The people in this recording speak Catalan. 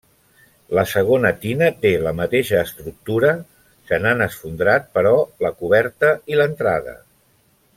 La segona tina té la mateixa estructura, se n'han esfondrat, però, la coberta i l'entrada.